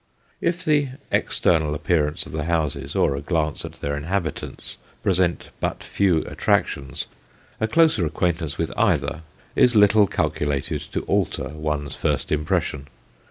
If the external appearance of the houses, or a glance at their in habitants, present but few attractions, a closer acquaintance with either is little calculated to alter one's first impression.